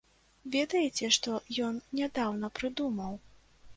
Ведаеце, што ён нядаўна прыдумаў?